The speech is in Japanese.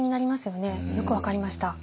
よく分かりました。